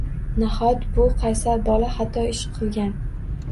Nahot bu qaysar bola xato ish qilgan.